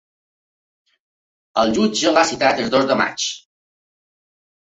El jutge l’ha citat el dos de maig.